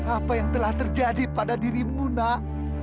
apa yang telah terjadi pada dirimu nak